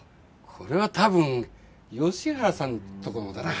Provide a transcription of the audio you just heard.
これは多分吉原さんとこのだな。